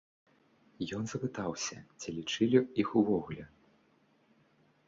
Ён запытаўся, ці лічылі іх увогуле.